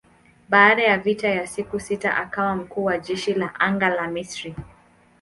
Baada ya vita ya siku sita akawa mkuu wa jeshi la anga la Misri.